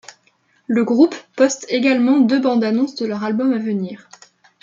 Le groupe poste également deux bandes-annonces de leur album à venir.